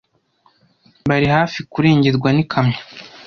Bari hafi kurengerwa n'ikamyo.